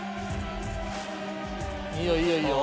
いいよいいよいいよ。